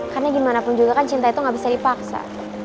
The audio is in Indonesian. karena gimana pun juga kan cinta itu gak bisa dipaksa